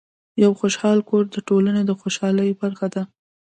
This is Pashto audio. یو خوشحال کور د ټولنې د خوشحالۍ برخه ده.